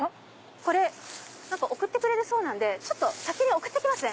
これ送ってくれるそうなんでちょっと先に送って来ますね。